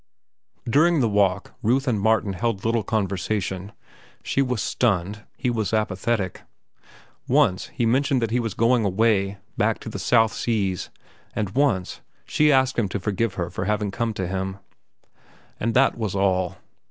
During the walk Ruth and Martin held little conversation. She was stunned. He was apathetic. Once, he mentioned that he was going away, back to the South Seas, and, once, she asked him to forgive her having come to him. And that was all.